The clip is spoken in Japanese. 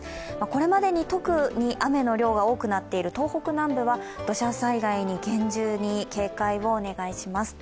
これまでに特に雨の量が多くなっている東北南部は土砂災害に厳重に警戒をお願いします。